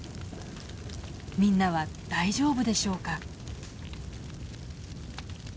みんなは大丈夫でしょうか？